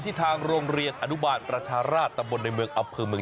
ทางโรงเรียนอนุบาลประชาราชตำบลในเมืองอำเภอเมือง